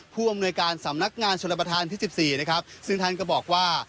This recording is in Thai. ผู้อำนวยการสำนักงานชนประธานที่๑๔นะครับซึ่งท่านก็บอกว่า